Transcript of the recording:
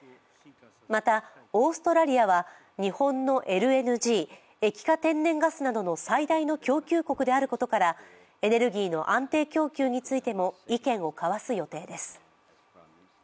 また、オーストラリアは日本のＬＮＧ＝液化天然ガスなどの最大の供給国であることからエネルギーの安定供給についても意見を交わす予定です。